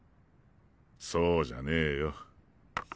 そうじゃねえよ。